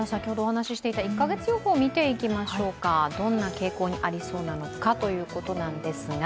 １カ月予報を見ていきましょうかどんな傾向にありそうなのかということですが。